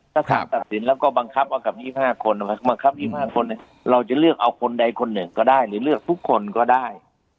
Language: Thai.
ถ้าสารตัดสินแล้วก็บังคับเอากับ๒๕คนบังคับอีก๕คนเราจะเลือกเอาคนใดคนหนึ่งก็ได้หรือเลือกทุกคนก็ได้